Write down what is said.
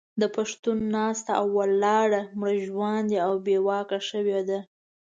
د پښتون ناسته او ولاړه مړژواندې او بې واکه شوې ده.